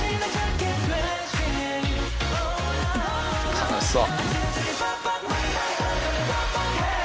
楽しそう。